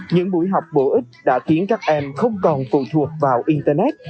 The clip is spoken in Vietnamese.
những buổi học bổ ích đã khiến các em không còn phụ thuộc vào internet